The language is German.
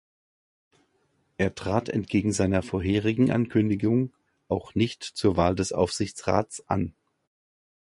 Er trat, entgegen seiner vorherigen Ankündigung, auch nicht zur Wahl des Aufsichtsrats an.